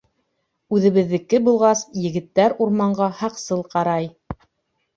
Үҙебеҙҙеке булғас, егеттәр урманға һаҡсыл ҡарай.